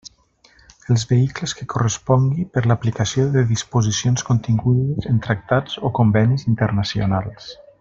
Els vehicles que correspongui per l'aplicació de disposicions contingudes en tractats o convenis internacionals.